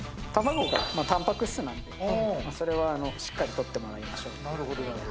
卵がタンパク質なんで、それはしっかり摂ってもらいましょうと。